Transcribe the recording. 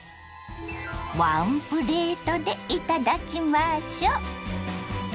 ワンプレートでいただきましょ。